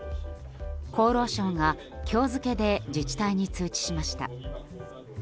厚労省が今日付で自治体に通知しました。